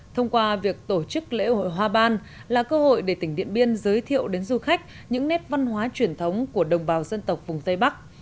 thông qua việc tổ chức lễ hội hoa ban là cơ hội để tỉnh điện biên giới thiệu đến du khách những nét văn hóa truyền thống của đồng bào dân tộc vùng tây bắc